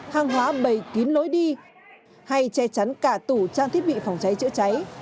hàng hóa bầy tín lối đi hay che chắn cả tủ trang thiết bị phòng cháy chữa cháy